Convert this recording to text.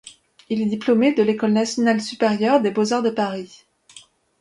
Il est diplômé de l'École nationale supérieure des beaux-arts de Paris.